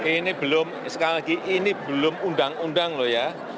ini belum sekali lagi ini belum undang undang loh ya